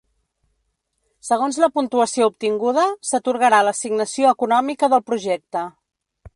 Segons la puntuació obtinguda, s’atorgarà l’assignació econòmica del projecte.